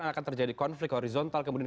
akan terjadi konflik horizontal kemudian